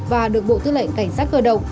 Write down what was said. và được bộ tư lệnh cảnh sát cơ động